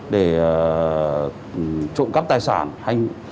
để trộm cắp tài sản